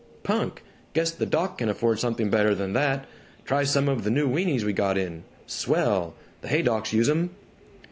"Punk! Guess the doc can afford something better than that. Try some of the new wienies we got in. Swell. The Haydocks use 'em."